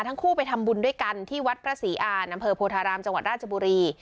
ทั้งคู่ไปทำบุญด้วยกันที่วัดพระศรีอ่านอำเภอโพธารามจังหวัดราชบุรี